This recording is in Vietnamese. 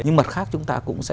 nhưng mặt khác chúng ta cũng sẽ